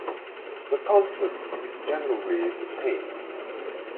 The concept is generally the same.